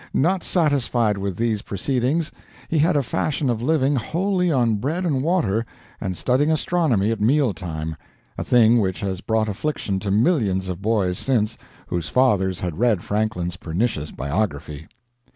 Not satisfied with these proceedings, he had a fashion of living wholly on bread and water, and studying astronomy at meal time a thing which has brought affliction to millions of boys since, whose fathers had read Franklin's pernicious biography.